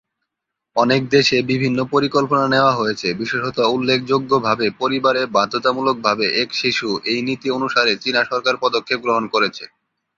অনেক দেশে বিভিন্ন পরিকল্পনা নেওয়া হয়েছে, বিশেষত উল্লেখযোগ্যভাবে, পরিবারে বাধ্যতামূলকভাবে এক-শিশু- এই নীতি অনুসারে চীনা সরকার পদক্ষেপ গ্রহণ করেছে।